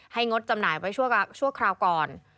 งดจำหน่ายไว้ชั่วคราวก่อน